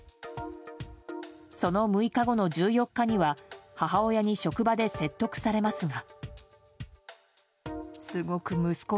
その６日後の１４日には母親に職場で説得されますが。